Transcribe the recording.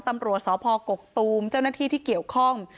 ตำรวจสพกกตูมเจ้าหน้าที่ที่เกี่ยวข้อง